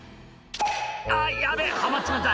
「あっヤベェはまっちまった」